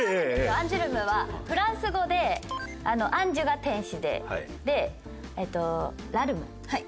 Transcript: アンジュルムはフランス語で「アンジュ」が「天使」でえっと「ラルム」が「涙」。